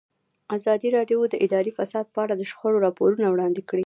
ازادي راډیو د اداري فساد په اړه د شخړو راپورونه وړاندې کړي.